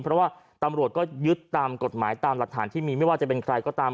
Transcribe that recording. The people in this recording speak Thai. เพราะว่าตำรวจก็ยึดตามกฎหมายตามหลักฐานที่มีไม่ว่าจะเป็นใครก็ตาม